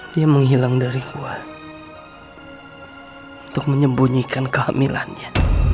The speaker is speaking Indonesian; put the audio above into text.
dia menghilang dari kuat untuk menyembunyikan kehamilannya